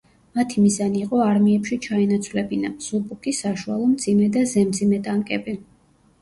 მათი მიზანი იყო არმიებში ჩაენაცვლებინა: მსუბუქი, საშუალო, მძიმე და ზემძიმე ტანკები.